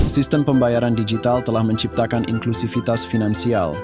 sistem pembayaran digital telah menciptakan inklusivitas finansial